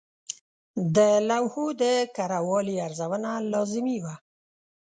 د لوحو د کره والي ارزونه لازمي وه.